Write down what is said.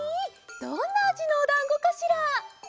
どんなあじのおだんごかしら？